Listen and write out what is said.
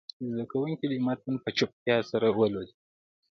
زده کوونکي دې متن په چوپتیا سره ولولي.